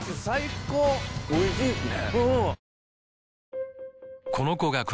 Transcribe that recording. おいしいですね！